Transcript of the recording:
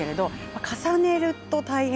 重ねるのが大変。